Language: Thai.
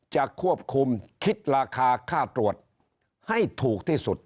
จะควบคุมคิดราคาค่าตรวจให้ถูกที่สุด